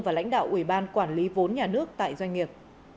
và lãnh đạo ủy ban quản lý vốn nhà nước tại doanh nghiệp